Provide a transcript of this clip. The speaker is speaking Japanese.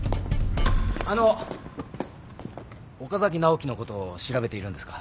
あの岡崎直樹のこと調べているんですか？